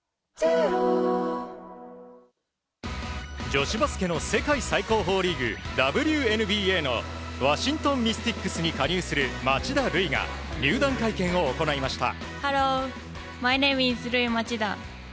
女子バスケの世界最高峰リーグＷＮＢＡのワシントン・ミスティクスに加入する町田瑠唯が入団会見を行いました。